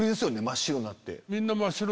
真っ白になって。